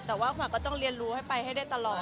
แต่ว่าขวัญก็ต้องเรียนรู้ให้ไปให้ได้ตลอด